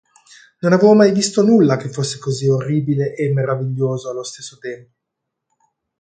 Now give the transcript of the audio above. Non avevo mai visto nulla che fosse così orribile e meraviglioso allo stesso tempo.